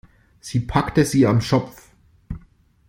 Sie packte sie am Schopf.